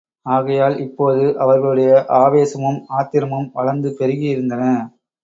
ஆகையால் இப்போது அவர்களுடைய ஆவேசமும் ஆத்திரமும் வளர்ந்து பெருகியிருந்தன.